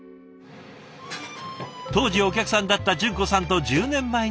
当時お客さんだった純子さんと１０年前に結婚。